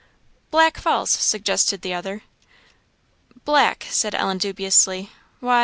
"Black Falls," suggested the other. "Black," said Ellen, dubiously, "why!